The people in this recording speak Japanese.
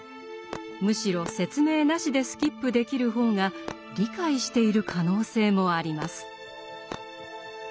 むしろ説明なしでスキップできる方が理解している可能性もあります。